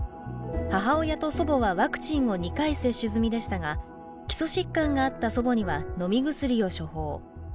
母親と祖母はワクチンを２回接種済みでしたが基礎疾患があった祖母には飲み薬を処方。